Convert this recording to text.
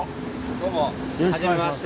どうもはじめまして。